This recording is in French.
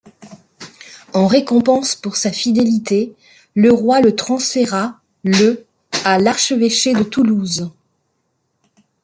En récompense pour sa fidélité, le roi le transféra le à l'archevêché de Toulouse.